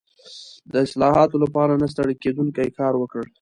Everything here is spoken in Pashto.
د اصلاحاتو لپاره نه ستړی کېدونکی کار وکړ.